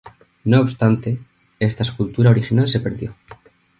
No obstante, esta escultura original se perdió.